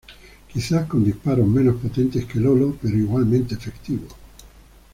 Quizás con disparo menos potente que "Lolo" pero igualmente efectivo.